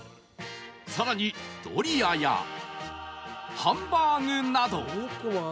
更にドリアやハンバーグなど